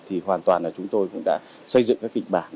thì hoàn toàn là chúng tôi cũng đã xây dựng các kịch bản